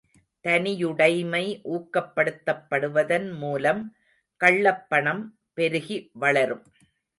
தனியுடைமை ஊக்கப்படுத்தப்படுவதன் மூலம் கள்ளப் பணம் பெருகி வளரும்.